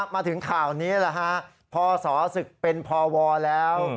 มาถึงข่าวนี้ล่ะฮะพอสอศึกเป็นพอวอแล้ว